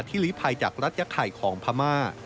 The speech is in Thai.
ที่ลิภัยจากรัฐยาข่ายของพระม่า